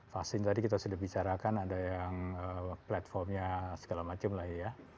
vaksin tadi kita sudah bicarakan ada yang platformnya segala macam lah ya